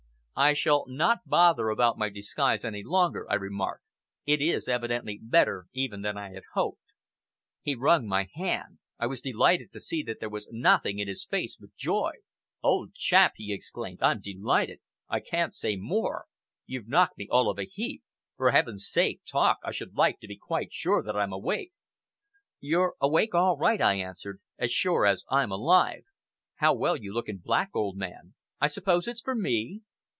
"I shall not bother about my disguise any longer," I remarked. "It is evidently better even than I had hoped." He wrung my hand. I was delighted to see that there was nothing in his face but joy. "Old chap!" he exclaimed, "I'm delighted. I can't say more. You've knocked me all of a heap. For Heaven's sake talk! I should like to be quite sure that I'm awake." "You're awake all right," I answered, "as sure as I'm alive! How well you look in black, old man! I suppose it's for me?"